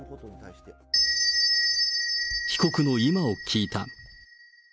被告の今を聞いた。